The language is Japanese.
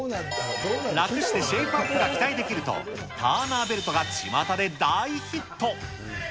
楽してシェープアップが期待できると、ターナーベルトがちまたで大ヒット。